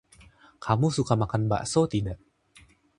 Kamu suka makan bakso, tidak?